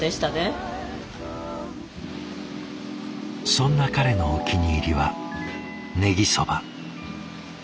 そんな彼のお気に入りはねぎそば。